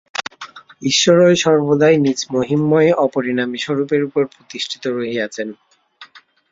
ঈশ্বর সর্বদাই নিজ মহিমময় অপরিণামী স্বরূপের উপর প্রতিষ্ঠিত রহিয়াছেন।